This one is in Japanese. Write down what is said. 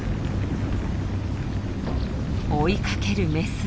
追いかけるメス。